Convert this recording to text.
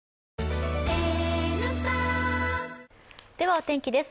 お天気です。